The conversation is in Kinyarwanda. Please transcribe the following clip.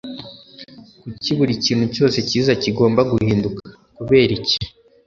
kuki buri kintu cyose cyiza kigomba guhinduka? (kubera iki!